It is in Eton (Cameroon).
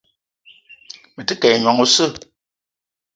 Me te ke ayi nyong oseu.